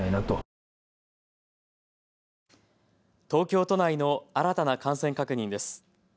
東京都内の新たな感染確認です。